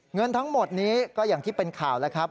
เงินทั้งหมดนี้ก็อย่างที่เป็นข่าวแล้วครับ